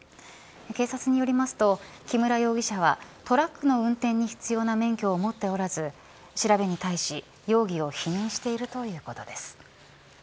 警察によりますと木村容疑者はトラックの運転に必要な免許を持っておらず調べに対し容疑を否認しているということです。